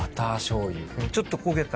ちょっと焦げた味する。